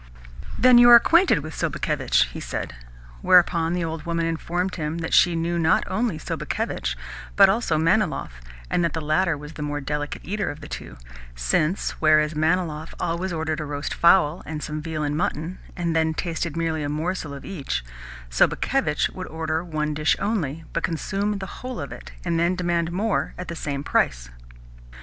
"Then you are acquainted with Sobakevitch?" he said; whereupon the old woman informed him that she knew not only Sobakevitch, but also Manilov, and that the latter was the more delicate eater of the two, since, whereas Manilov always ordered a roast fowl and some veal and mutton, and then tasted merely a morsel of each, Sobakevitch would order one dish only, but consume the whole of it, and then demand more at the same price.